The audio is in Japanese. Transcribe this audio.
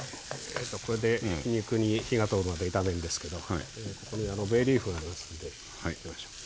そこで肉に火が通るまで炒めるんですけどここにベイリーフがありますんで入れましょう。